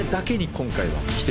今回は。